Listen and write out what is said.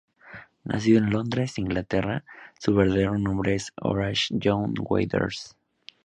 Nacido en Londres, Inglaterra, su verdadero nombre era Horace John Waters.